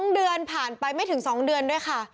๒เดือนผ่านไปไม่ถึง๒เดือนด้วยค่ะ